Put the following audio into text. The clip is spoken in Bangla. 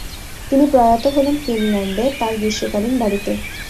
তিনি প্রয়াত হলেন ফিনল্যান্ডে, তার গ্রীষ্মকালীন বাড়িতে।